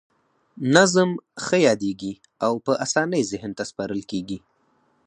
نظم ښه یادیږي او په اسانۍ ذهن ته سپارل کیږي.